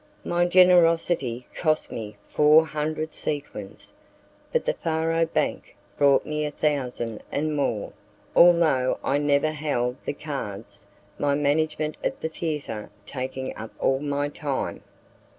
My generosity cost me four hundred sequins, but the faro bank brought me a thousand and more, although I never held the cards, my management of the theatre taking up all my time.